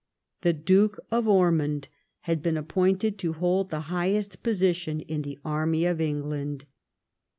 The Duke of Ormond had been appointed to hold the highest position in the army of England.